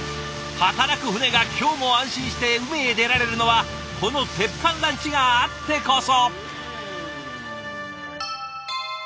働く船が今日も安心して海へ出られるのはこの鉄板ランチがあってこそ。